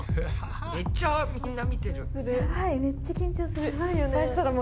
めっちゃみんな見てる。